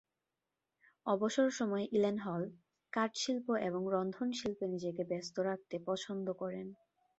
অবসর সময়ে ইলেনহল কাঠ-শিল্প এবং রন্ধন-শিল্পে নিজেকে ব্যস্ত রাখতে পছন্দ করেন।